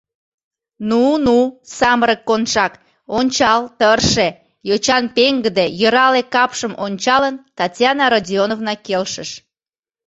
— Ну, ну, самырык Коншак, ончал, тырше, — йочан пеҥгыде, йӧрале капшым ончалын, Татьяна Родионовна келшыш.